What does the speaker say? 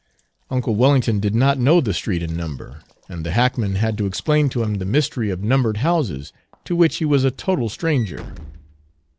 Uncle Wellington did not know the street and number, and the hackman had to explain to him the mystery of numbered houses, to which he was a total stranger.